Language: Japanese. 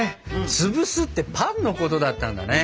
「つぶす」ってパンのことだったんだね。